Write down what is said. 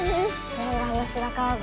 念願の白川郷。